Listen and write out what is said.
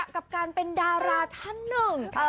กับการเป็นดาราท่านหนึ่ง